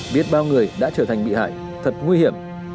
biết bao người đã trở thành bị hại thật nguy hiểm